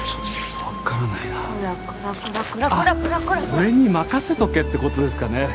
「俺に任せとけ」って事ですかね？